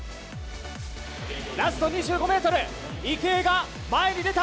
ラスト２５ｍ池江が前に出た！